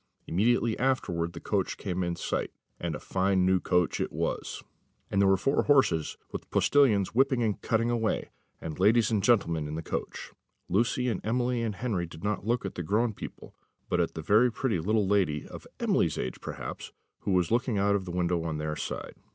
Immediately afterwards the coach came in sight and a fine new coach it was; and there were four horses, with postillions whipping and cutting away; and ladies and gentlemen in the coach. Lucy and Emily and Henry did not look at the grown people, but at a very pretty little lady, of Emily's age perhaps, who was looking out of the window on their side.